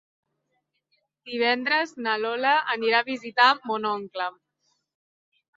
Divendres na Lola anirà a visitar mon oncle.